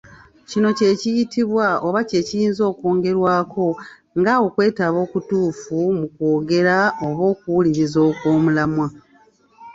Kino kye kiyitibwa oba kye kiyinza okwogerwako nga okwetaba okutuufu mu kwogera, oba okuwuliriza okw'omulamwa.